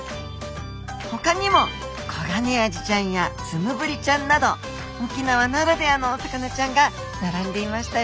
ほかにもコガネアジちゃんやツムブリちゃんなど沖縄ならではのお魚ちゃんが並んでいましたよ